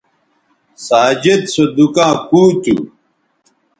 ساجد سو دُکاں کُو تھو